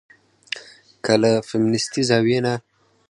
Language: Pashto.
که له فيمنستي زاويې نه